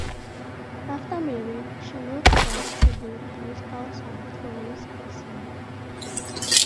After marrying, she moved back to Bristol south to raise her son.